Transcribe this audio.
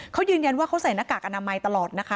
เขายืนยันว่าเขาใส่หน้ากากอนามัยตลอดนะคะ